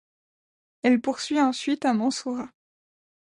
Elle poursuit ensuite à Mansourah.